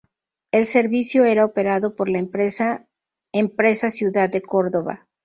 El servicio era operado por la empresa Empresa Ciudad de Córdoba.